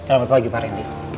selamat pagi pak randy